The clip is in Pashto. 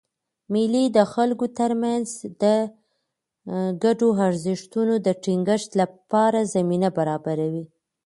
مېلې د خلکو ترمنځ د ګډو ارزښتونو د ټینګښت له پاره زمینه برابروي.